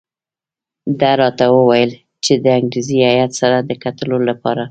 ده راته وویل چې د انګریزي هیات سره د کتلو لپاره.